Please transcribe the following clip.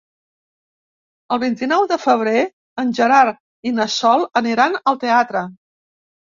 El vint-i-nou de febrer en Gerard i na Sol aniran al teatre.